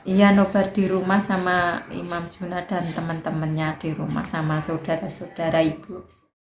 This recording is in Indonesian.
iya nobar di rumah sama imam juna dan teman temannya di rumah sama saudara saudara ibu